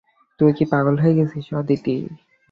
তুই কি পাগল হয়ে গেছিস, আদিতি?